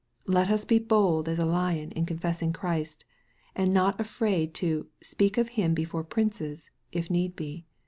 Let us be bold as a lion in confessing Christ, and not be afraid to "speak of Him before princes," if need be.